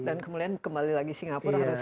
dan kemudian kembali lagi singapura harus